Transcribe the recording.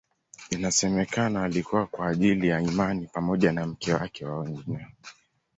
Inasemekana aliuawa kwa ajili ya imani pamoja na mke wake na wengineo.